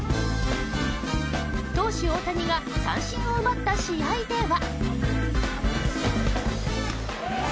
投手・大谷が三振を奪った試合では。